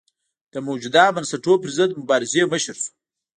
د موجوده بنسټونو پرضد مبارزې مشر شو.